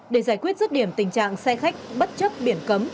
để giải quyết rứt điểm tình trạng xe khách bất chấp biển cấm